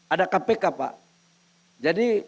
ada kpk pak